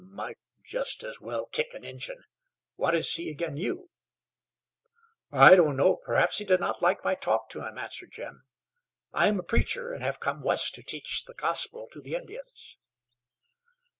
"Might jes' as well kick an' Injun. What has he ag'in you?" "I don't know. Perhaps he did not like my talk to him," answered Jim. "I am a preacher, and have come west to teach the gospel to the Indians."